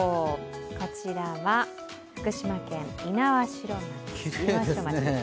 こちらは福島県猪苗代町です。